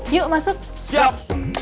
yuk masuk siap